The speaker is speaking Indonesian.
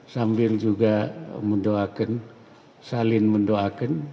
sambil juga mendoakan saling mendoakan